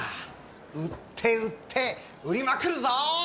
売って売って売りまくるぞ！